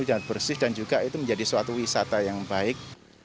jalan bersih dan juga itu menjadi suatu wisata yang baik